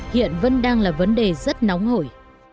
hiện vẫn đang là vấn đề rất nóng hổi